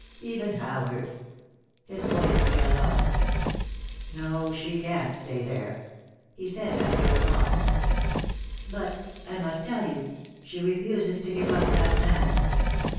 Even Howard " His voice trailed off. "No, she can't stay there," he said, after a pause. "But I must tell you she refuses to give up that man."